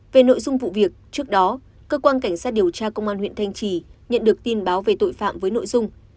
về nội dung vụ việc trước đó cơ quan cảnh sát điều tra công an huyện thanh trì nhận được tin báo về tội phạm với nội dung